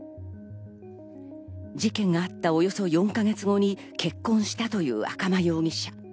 事件があったおよそ４か月後に結婚したという赤間容疑者。